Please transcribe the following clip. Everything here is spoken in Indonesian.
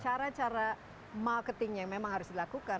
cara cara marketing yang memang harus dilakukan